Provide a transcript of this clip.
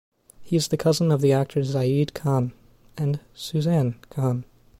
He is the cousin of actor Zayed Khan and Suzanne Khan.